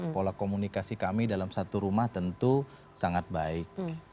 pola komunikasi kami dalam satu rumah tentu sangat baik